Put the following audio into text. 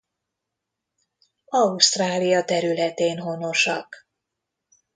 Ausztrália területén honosak.